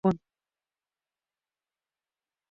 Su nombre es en honor de Álvaro Obregón.